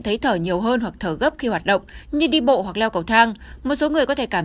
thấy thở nhiều hơn hoặc thở gấp khi hoạt động như đi bộ hoặc leo cầu thang một số người có thể cảm